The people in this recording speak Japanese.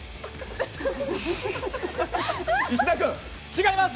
違います。